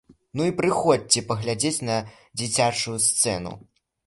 Ну, і прыходзьце паглядзець на дзіцячую сцэну.